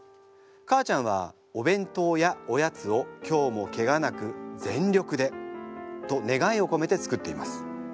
母ちゃんはお弁当やおやつを今日もケガなく全力でと願いをこめて作っています。